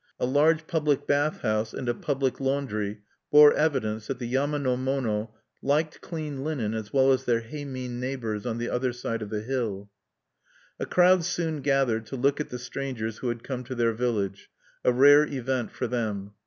A large public bath house and a public laundry bore evidence that the yama no mono liked clean linen as well as their heimin neighbors on the other side of the hill. "A crowd soon gathered to look at the strangers who had come to their village, a rare event for them.